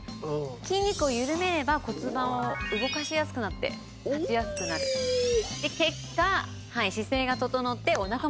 筋肉を緩めれば骨盤を動かしやすくなって立ちやすくなる。結果。